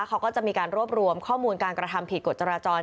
เขาก็จะมีการรวบรวมข้อมูลการกระทำผิดกฎจราจร